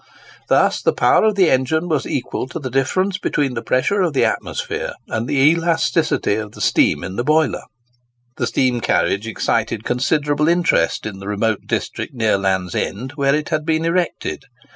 Thus the power of the engine was equal to the difference between the pressure of the atmosphere and the elasticity of the steam in the boiler. This steam carriage excited considerable interest in the remote district near the Land's End where it had been erected.